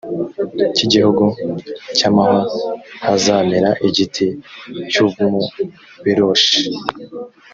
cy igihuru cy amahwa hazamera igiti cy umuberoshi